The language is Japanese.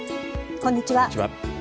こんにちは。